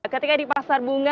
ketika di pasar bunga